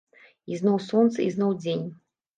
Ізноў сонца, ізноў дзень.